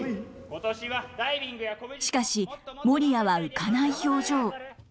しかしモリヤは浮かない表情。